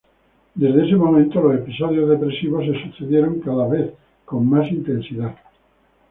Desde ese momento, los episodios depresivos se sucedieron cada vez con más intensidad.